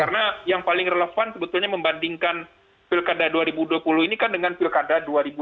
karena yang paling relevan sebetulnya membandingkan pilkada dua ribu dua puluh ini kan dengan pilkada dua ribu lima belas